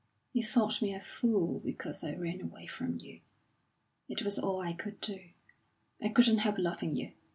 You thought me a fool because I ran away from you. It was all I could do. I couldn't help loving you.